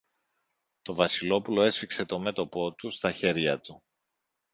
Το Βασιλόπουλο έσφιξε το μέτωπο του στα χέρια του.